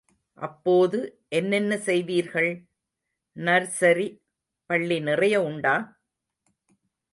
அப்போது என்னென்ன செய்வீர்கள்? நர்சரி பள்ளி நிறைய உண்டா?